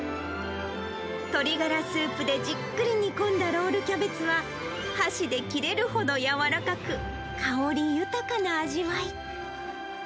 鶏ガラスープでじっくり煮込んだロールキャベツは、箸で切れるほどやわらかく、香り豊かな味わい。